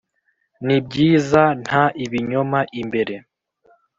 nibyiza nta, ibinyoma imbere